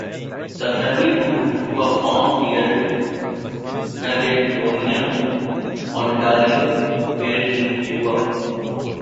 The family moved to a farm near Caledonia, Ontario where he grew up.